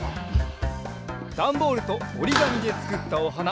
だんボールとおりがみでつくったおはな